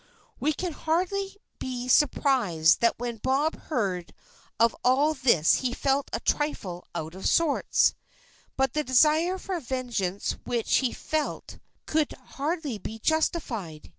We can hardly be surprised that when Bob heard of all this he felt a trifle out of sorts, but the desire for vengeance which he felt could hardly be justified.